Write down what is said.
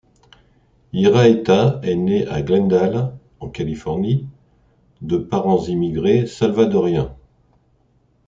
Iraheta est née à Glendale, en Californie, de parents immigrés salvadoriens.